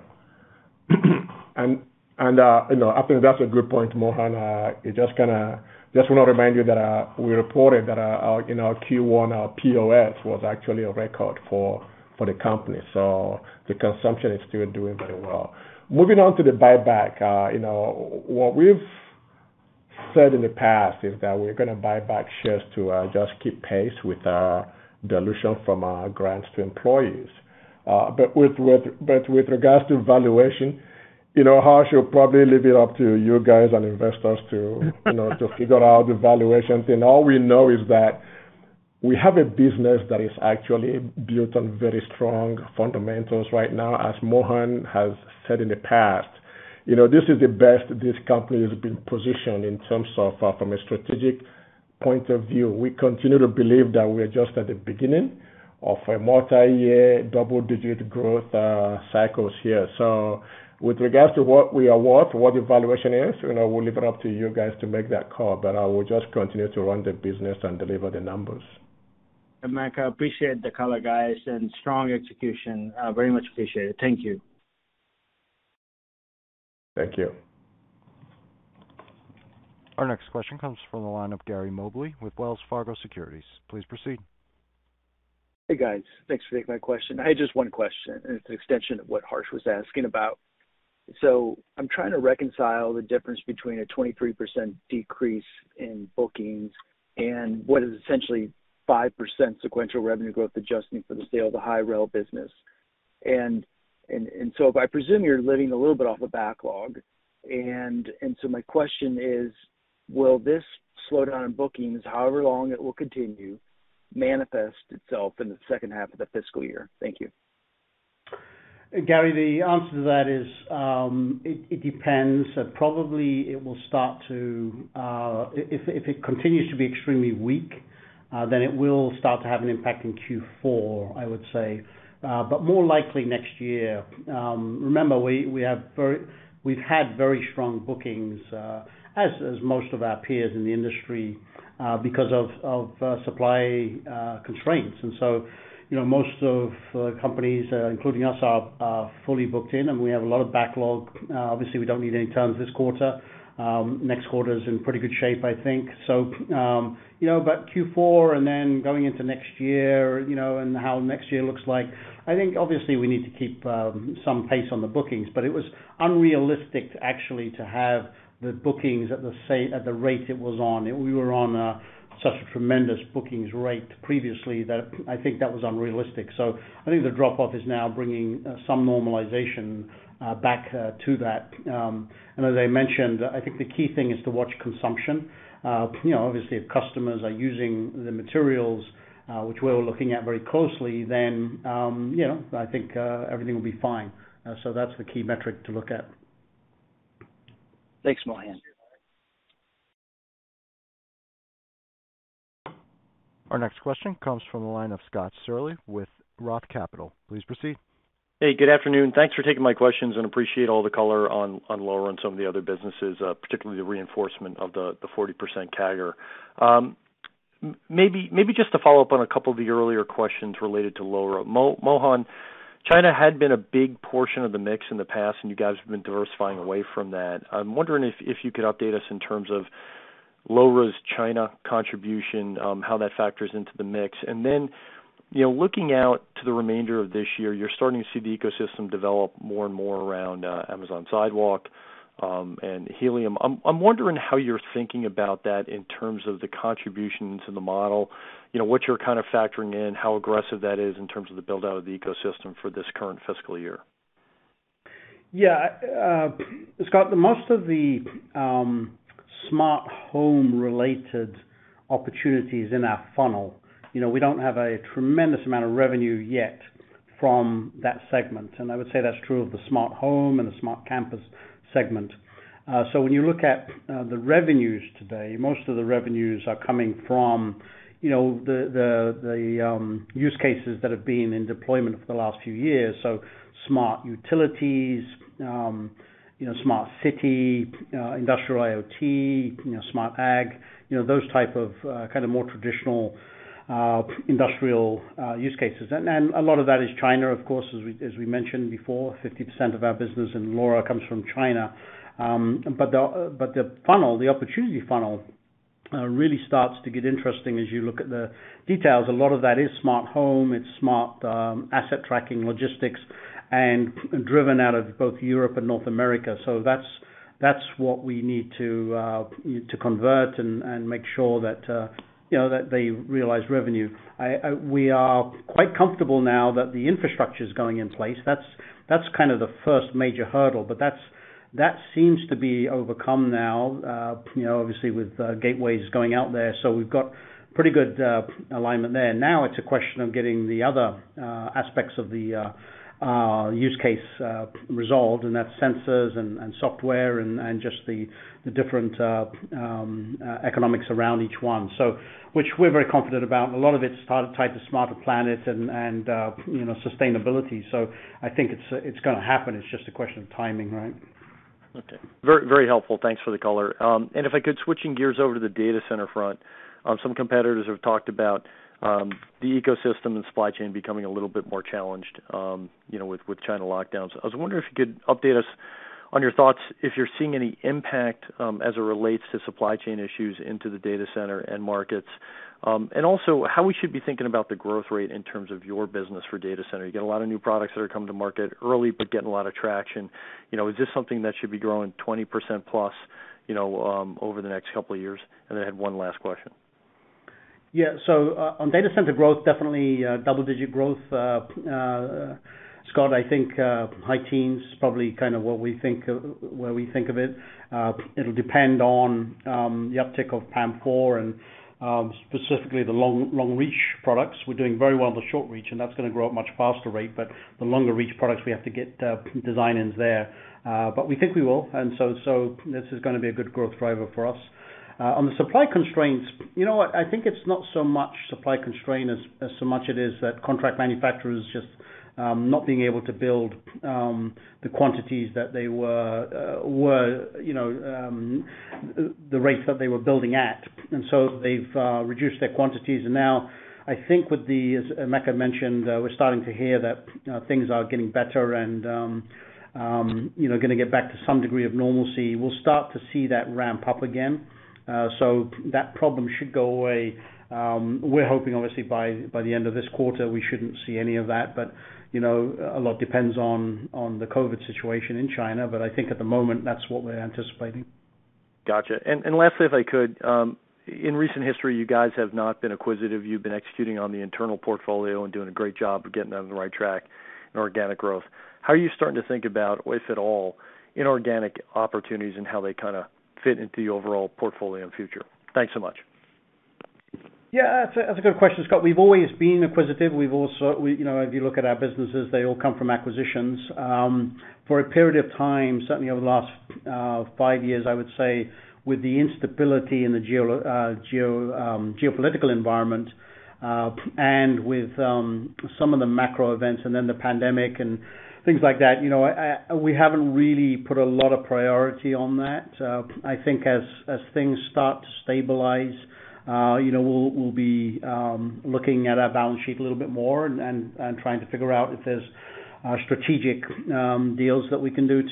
You know, I think that's a good point, Mohan. I just kinda wanna remind you that we reported that our Q1, our POS was actually a record for the company, so the consumption is still doing very well. Moving on to the buyback, you know, what we've said in the past is that we're gonna buy back shares to just keep pace with dilution from our grants to employees. But with regards to valuation, you know, Harsh, we'll probably leave it up to you guys and investors to figure out the valuations. All we know is that we have a business that is actually built on very strong fundamentals right now. As Mohan has said in the past, you know, this is the best this company has been positioned in terms of, from a strategic point of view. We continue to believe that we're just at the beginning of a multiyear double-digit growth, cycles here. With regards to what we are worth, what the valuation is, you know, we'll leave it up to you guys to make that call, but I will just continue to run the business and deliver the numbers. Emeka, appreciate the color, guys, and strong execution. Very much appreciated. Thank you. Thank you. Our next question comes from the line of Gary Mobley with Wells Fargo Securities. Please proceed. Hey, guys. Thanks for taking my question. I had just one question, and it's an extension of what Harsh was asking about. I'm trying to reconcile the difference between a 23% decrease in bookings and what is essentially 5% sequential revenue growth adjustment for the sale of the high reliability business. And so if I presume you're living a little bit off of backlog, and so my question is, will this slowdown in bookings, however long it will continue, manifest itself in the second half of the fiscal year? Thank you. Gary, the answer to that is, it depends. Probably it will start to. If it continues to be extremely weak, then it will start to have an impact in Q4, I would say. But more likely next year. Remember we've had very strong bookings, as most of our peers in the industry, because of supply constraints. You know, most companies, including us, are fully booked in, and we have a lot of backlog. Obviously we don't need any turns this quarter. Next quarter is in pretty good shape, I think. Q4 and then going into next year, you know, and how next year looks like, I think obviously we need to keep some pace on the bookings, but it was unrealistic actually to have the bookings at the rate it was on. We were on such a tremendous bookings rate previously that I think that was unrealistic. I think the drop off is now bringing some normalization back to that. As I mentioned, I think the key thing is to watch consumption. You know, obviously if customers are using the materials, which we're looking at very closely then, you know, I think everything will be fine. That's the key metric to look at. Thanks, Mohan. Our next question comes from the line of Scott Searle with Roth Capital. Please proceed. Hey, good afternoon. Thanks for taking my questions and appreciate all the color on LoRa and some of the other businesses, particularly the reinforcement of the 40% CAGR. Maybe just to follow up on a couple of the earlier questions related to LoRa. Mohan, China had been a big portion of the mix in the past, and you guys have been diversifying away from that. I'm wondering if you could update us in terms of LoRa's China contribution, how that factors into the mix. You know, looking out to the remainder of this year, you're starting to see the ecosystem develop more and more around Amazon Sidewalk and Helium. I'm wondering how you're thinking about that in terms of the contribution to the model, you know, what you're kind of factoring in, how aggressive that is in terms of the build-out of the ecosystem for this current fiscal year? Yeah. Scott, most of the smart home related opportunities in our funnel, you know, we don't have a tremendous amount of revenue yet from that segment, and I would say that's true of the smart home and the smart campus segment. When you look at the revenues today, most of the revenues are coming from, you know, the use cases that have been in deployment for the last few years. Smart utilities, you know, smart city, industrial IoT, you know, smart ag, you know, those type of kind of more traditional industrial use cases. A lot of that is China, of course, as we mentioned before, 50% of our business in LoRa comes from China. The opportunity funnel really starts to get interesting as you look at the details. A lot of that is smart home, smart asset tracking, logistics, and driven out of both Europe and North America. That's what we need to convert and make sure that, you know, that they realize revenue. We are quite comfortable now that the infrastructure's going in place. That's kind of the first major hurdle, but that seems to be overcome now, you know, obviously with gateways going out there. We've got pretty good alignment there. Now it's a question of getting the other aspects of the use case resolved, and that's sensors and software and just the different economics around each one. which we're very confident about. A lot of it's tied to smarter planets and, you know, sustainability. I think it's gonna happen. It's just a question of timing, right? Okay. Very, very helpful. Thanks for the color. If I could, switching gears over to the data center front. Some competitors have talked about the ecosystem and supply chain becoming a little bit more challenged, you know, with China lockdowns. I was wondering if you could update us on your thoughts, if you're seeing any impact, as it relates to supply chain issues into the data center end markets. Also how we should be thinking about the growth rate in terms of your business for data center. You got a lot of new products that are coming to market early, but getting a lot of traction. You know, is this something that should be growing 20%+, you know, over the next couple of years? Then I had one last question. Yeah. On data center growth, definitely double-digit growth. Scott, I think high teens probably kind of what we think of where we think of it. It'll depend on the uptick of PAM4 and specifically the long reach products. We're doing very well in the short reach, and that's gonna grow at a much faster rate. But the longer reach products, we have to get design-ins there. But we think we will. This is gonna be a good growth driver for us. On the supply constraints, you know what, I think it's not so much supply constraint as so much it is that contract manufacturers just not being able to build the quantities that they were the rates that they were building at. They've reduced their quantities. Now I think with the, as Emeka mentioned, we're starting to hear that, things are getting better and, you know, gonna get back to some degree of normalcy. We'll start to see that ramp up again. That problem should go away, we're hoping obviously by the end of this quarter, we shouldn't see any of that. You know, a lot depends on the COVID situation in China, but I think at the moment, that's what we're anticipating. Gotcha. Lastly, if I could, in recent history, you guys have not been acquisitive. You've been executing on the internal portfolio and doing a great job of getting that on the right track in organic growth. How are you starting to think about, if at all, inorganic opportunities and how they kinda fit into your overall portfolio in future? Thanks so much. Yeah. That's a good question, Scott. We've always been acquisitive. We've also, you know, if you look at our businesses, they all come from acquisitions. For a period of time, certainly over the last five years, I would say, with the instability in the geopolitical environment, and with some of the macro events and then the pandemic and things like that, you know, we haven't really put a lot of priority on that. I think as things start to stabilize, you know, we'll be looking at our balance sheet a little bit more and trying to figure out if there's strategic deals that we can do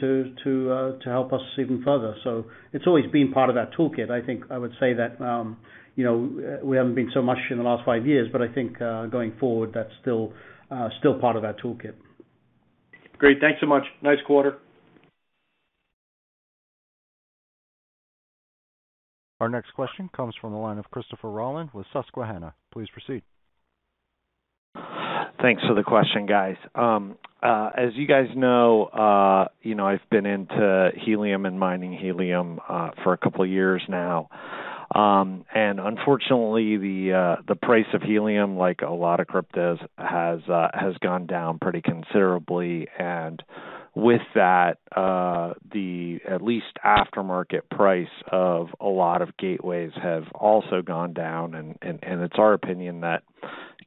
to help us even further. It's always been part of our toolkit. I think I would say that, you know, we haven't been so much in the last five years, but I think, going forward, that's still part of our toolkit. Great. Thanks so much. Nice quarter. Our next question comes from the line of Christopher Rolland with Susquehanna. Please proceed. Thanks for the question, guys. As you guys know, you know, I've been into Helium and mining Helium for a couple of years now. Unfortunately, the price of helium, like a lot of cryptos, has gone down pretty considerably. With that, at least the aftermarket price of a lot of gateways have also gone down, and it's our opinion that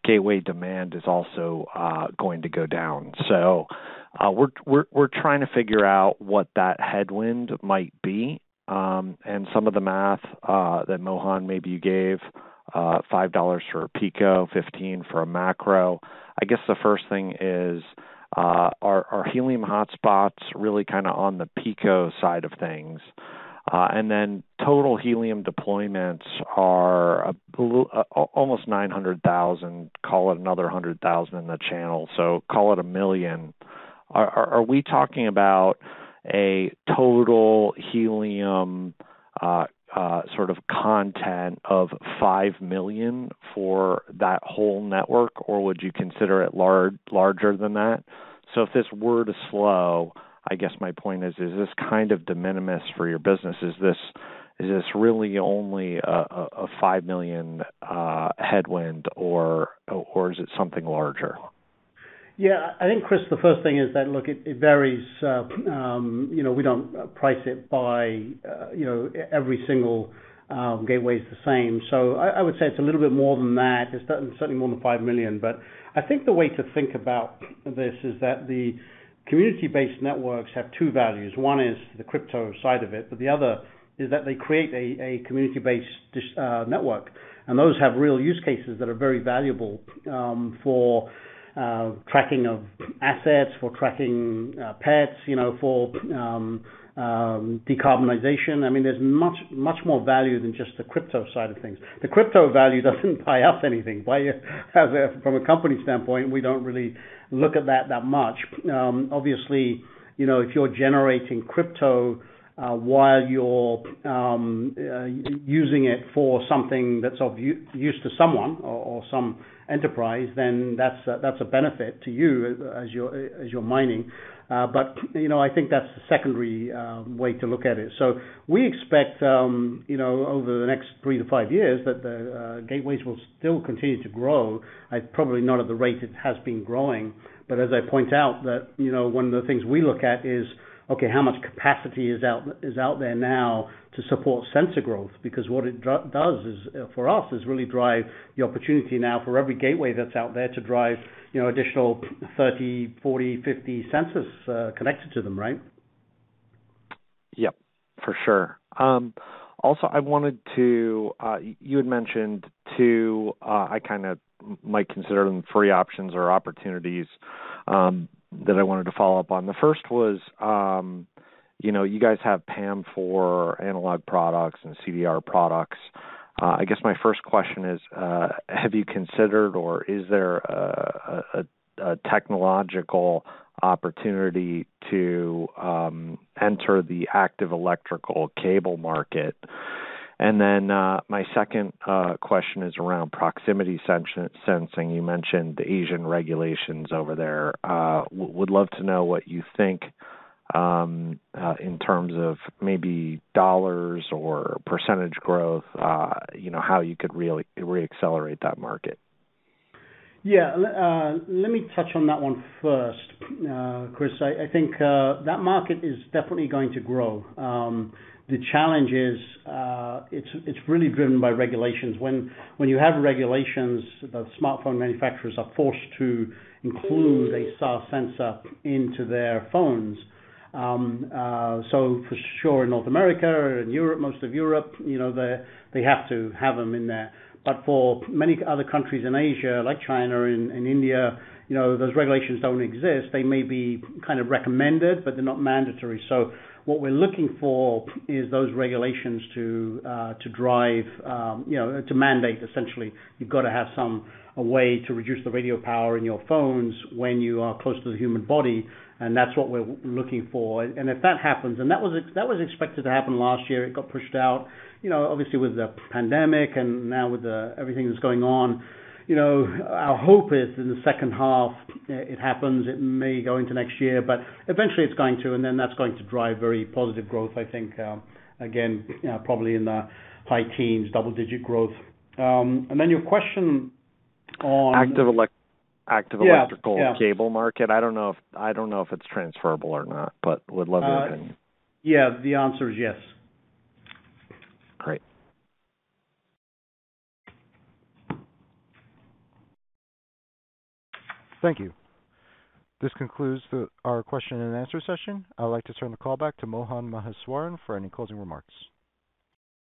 gateway demand is also going to go down. We're trying to figure out what that headwind might be. Some of the math that Mohan maybe you gave, $5 for a pico, $15 for a macro. I guess the first thing is, are Helium hotspots really kinda on the pico side of things? Total Helium deployments are almost 900,000, call it another 100,000 in the channel, so call it one million. Are we talking about a total Helium sort of content of $5 million for that whole network? Or would you consider it larger than that? If this were to slow, I guess my point is this kind of de minimis for your business? Is this really only a $5 million headwind or is it something larger? Yeah. I think, Chris, the first thing is that, look, it varies. You know, we don't price it by, you know, every single gateway is the same. So I would say it's a little bit more than that. It's certainly more than $5 million. But I think the way to think about this is that the community-based networks have two values. One is the crypto side of it, but the other is that they create a community-based network, and those have real use cases that are very valuable for tracking of assets, for tracking pets, you know, for decarbonization. I mean, there's much, much more value than just the crypto side of things. The crypto value doesn't buy us anything. From a company standpoint, we don't really look at that much. Obviously, you know, if you're generating crypto while you're using it for something that's of use to someone or some enterprise, then that's a benefit to you as you're mining. You know, I think that's the secondary way to look at it. We expect, you know, over the next three to five years that the gateways will still continue to grow. Probably not at the rate it has been growing. As I point out that, you know, one of the things we look at is, okay, how much capacity is out there now to support sensor growth? Because what it does is, for us, really drive the opportunity now for every gateway that's out there to drive, you know, additional 30, 40, 50 sensors connected to them, right? Yep, for sure. Also, you had mentioned two, I kinda might consider them three options or opportunities that I wanted to follow up on. The first was, you know, you guys have PAM4 analog products and CDR products. I guess my first question is, have you considered or is there a technological opportunity to enter the active electrical cable market? My second question is around proximity sensing. You mentioned the Asian regulations over there. Would love to know what you think in terms of maybe dollars or percentage growth, you know, how you could really reaccelerate that market. Yeah. Let me touch on that one first, Chris. I think that market is definitely going to grow. The challenge is, it's really driven by regulations. When you have regulations, the smartphone manufacturers are forced to include a SAR sensor into their phones. So for sure in North America or in most of Europe, you know, they have to have them in there. For many other countries in Asia, like China and India, you know, those regulations don't exist. They may be kind of recommended, but they're not mandatory. So what we're looking for is those regulations to drive, you know, to mandate, essentially. You've gotta have some way to reduce the radio power in your phones when you are close to the human body, and that's what we're looking for. If that happens, and that was expected to happen last year. It got pushed out, you know, obviously with the pandemic and now with everything that's going on. You know, our hope is in the second half, it happens. It may go into next year, but eventually it's going to, and then that's going to drive very positive growth, I think, again, probably in the high teens, double digit growth. Then your question on- Active elec- Yeah. Active electrical- Yeah. -cable market. I don't know if it's transferable or not, but would love your opinion. Yeah. The answer is yes. Great. Thank you. This concludes our question and answer session. I would like to turn the call back to Mohan Maheswaran for any closing remarks.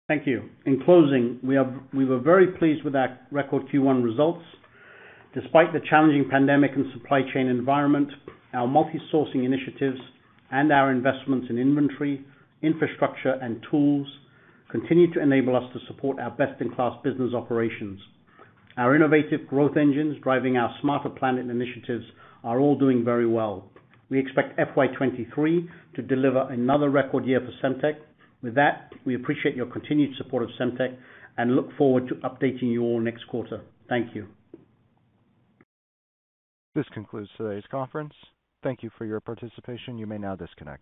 Thank you. In closing, we were very pleased with our record Q1 results. Despite the challenging pandemic and supply chain environment, our multi-sourcing initiatives and our investments in inventory, infrastructure, and tools continue to enable us to support our best-in-class business operations. Our innovative growth engines driving our smarter planet initiatives are all doing very well. We expect FY 2023 to deliver another record year for Semtech. With that, we appreciate your continued support of Semtech and look forward to updating you all next quarter. Thank you. This concludes today's conference. Thank you for your participation. You may now disconnect.